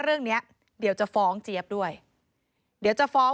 เผื่อเขายังไม่ได้งาน